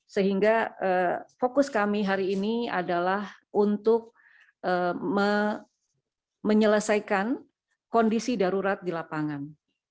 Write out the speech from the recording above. sehingga fokus kami hari ini adalah untuk menyelesaikan kondisi darurat di lapangan